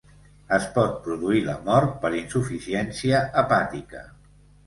Es pot produir la mort per insuficiència hepàtica.